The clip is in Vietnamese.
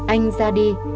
anh ra đi